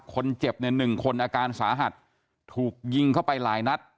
คนเจ็บเนี่ยหนึ่งคนอาการสาหัสถูกยิงเข้าไปหลายนัด